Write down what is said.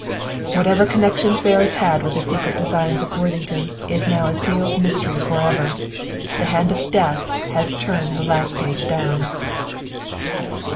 "Whatever connection Ferris had with the secret designs of Worthington is now a sealed mystery forever; the hand of Death has turned the last page down."